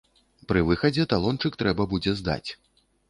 Пры выхадзе талончык трэба будзе здаць.